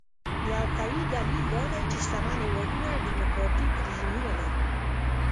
یو قوي دلیل دا دی چې شتمن هېوادونه ډیموکراټیک رژیمونه لري.